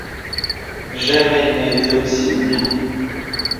Jamais il n'a été aussi humilié.